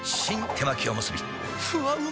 手巻おむすびふわうま